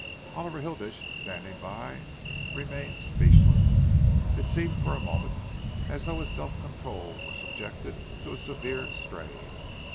Oliver Hilditch, standing by, remained speechless. It seemed for a moment as though his self control were subjected to a severe strain.